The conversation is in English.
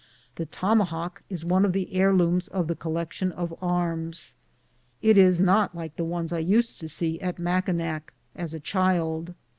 The tomahawk is one of the heirlooms of the collection of arms. It is not like the ones I used to see at Mackinac as a child.